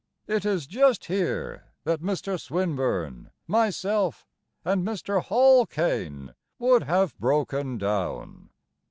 It is just here that Mr. Swinburne, myself, and Mr. Hall Caine Would have broken down.